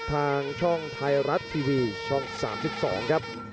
ทางช่องไทยรัฐทีวีช่อง๓๒ครับ